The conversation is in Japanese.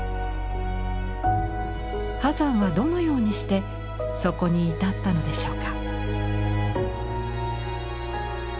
波山はどのようにしてそこに至ったのでしょうか。